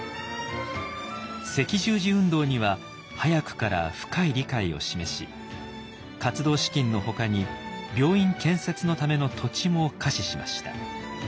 赤十字運動には早くから深い理解を示し活動資金のほかに病院建設のための土地も下賜しました。